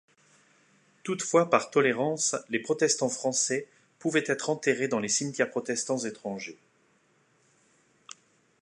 Toutefois, par tolérance, les protestants français, pouvaient être enterrés dans les cimetières protestants étrangers.